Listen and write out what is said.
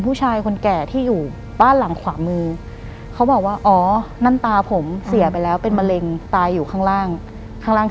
หลังจากนั้นเราไม่ได้คุยกันนะคะเดินเข้าบ้านไปต่อผู้หญิงคนนี้ก็ยังเดินตามเรามาอยู่แต่อยู่แค่หน้าบ้านอืม